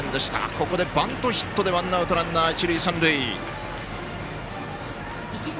ここでバントヒットでワンアウトランナー、一塁三塁。